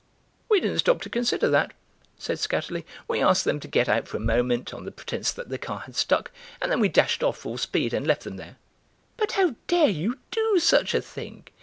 "We didn't stop to consider that," said Skatterly; "we asked them to get out for a moment, on the pretence that the car had stuck, and then we dashed off full speed and left them there." "But how dare you do such a thing?